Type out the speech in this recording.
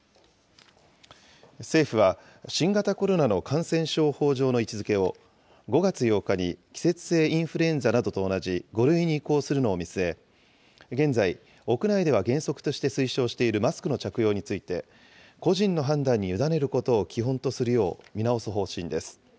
政府は、新型コロナの感染症法上の位置づけを５月８日に季節性インフルエンザなどと同じ５類に移行するのを見据え、現在、屋内では原則として推奨しているマスクの着用について、個人の判断に委ねることを基本とするよう見直す方針です。